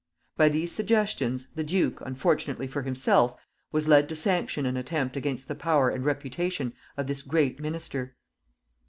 By these suggestions, the duke, unfortunately for himself, was led to sanction an attempt against the power and reputation of this great minister.